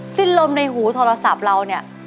สิ้นลมในหูโทรศัพท์เราเนี่ย